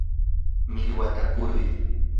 millwata kuruy.